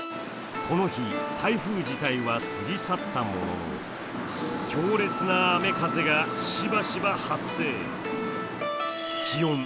この日台風自体は過ぎ去ったものの強烈な雨風がしばしば発生。